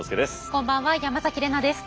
こんばんは山崎怜奈です。